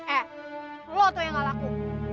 eh lo tuh yang gak laku